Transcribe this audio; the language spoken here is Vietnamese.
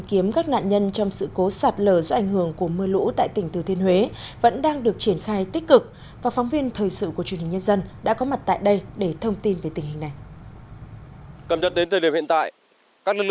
kiếm cứu nạn thừa thiên huế cho biết hiện tỉnh đã bắt đầu triển khai những giải pháp để giảm thiểu thiệt hại do thiên tai gây ra